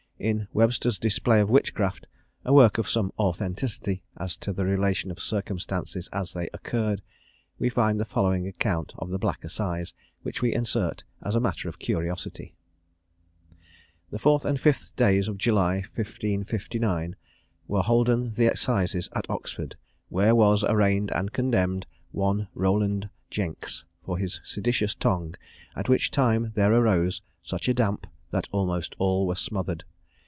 In "Webster's Display of Witchcraft," a work of some authenticity as to the relation of circumstances as they occurred, we find the following account of the Black Assize, which we insert as a matter of curiosity: "The 4th and 5th days of July, 1559, were holden the assizes at Oxford, where was arraigned and condemned one Rowland Jenkes, for his seditious tongue, at which time there arose such a damp, that almost all were smothered.